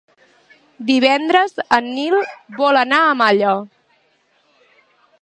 Divendres en Nil vol anar a Malla.